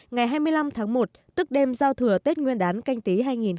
ngày hai mươi năm tháng một tức đêm giao thừa tết nguyên đán canh tí hai nghìn hai mươi